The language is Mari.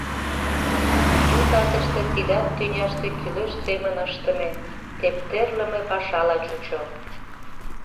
Ту татыште тидат тӱняште кӱлеш семын ыштыме, тептерлыме пашала чучо.